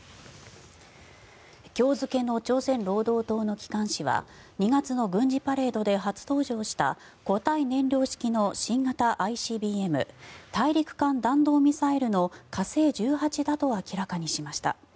今日付の朝鮮労働党の機関紙は２月の軍事パレードで初登場した固体燃料式の新型ＩＣＢＭ・大陸間弾道ミサイルの火星１８だと明らかにしました。